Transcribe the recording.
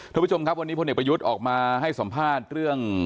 ท่านผู้ชมครับวันนี้พลเอกประยุทธ์ออกมาให้สัมภาษณ์เรื่อง